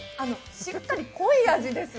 しっかり濃い味です。